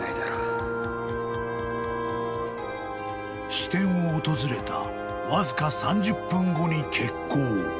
［支店を訪れたわずか３０分後に決行］